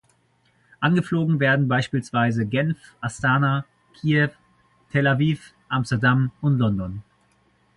Angeflogen werden beispielsweise Genf, Astana, Kiew, Tel Aviv, Amsterdam und London.